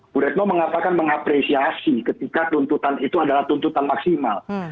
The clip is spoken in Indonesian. bu retno mengatakan mengapresiasi ketika tuntutan itu adalah tuntutan maksimal